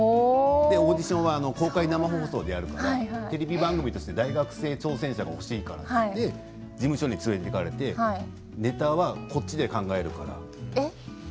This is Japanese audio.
オーディションは公開生放送であるのでテレビ番組として大学生挑戦者が欲しいからといって事務所に連れて行かれてネタはこっちで考えるから。